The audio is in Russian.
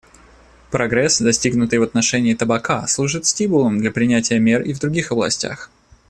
Прогресс, достигнутый в отношении табака, служит стимулом для принятия мер и в других областях.